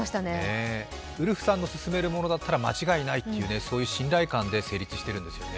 ウルフさんの勧めるものだったら間違いないっていう信頼感で成立してるんですよね。